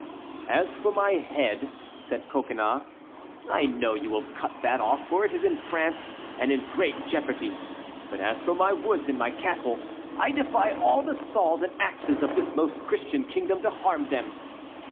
"As for my head," said Coconnas, "I know you will cut that off, for it is in France, and in great jeopardy; but as for my woods and castles, I defy all the saws and axes of this most Christian kingdom to harm them."